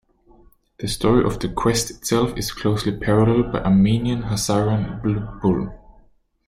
The story of the quest itself is closely paralleled by Armenian Hazaran Blbul.